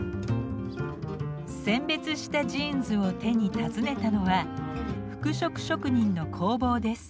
選別したジーンズを手に訪ねたのは服飾職人の工房です。